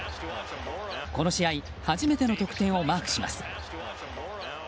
この試合初めての得点をマークします。